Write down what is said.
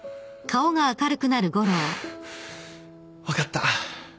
分かった。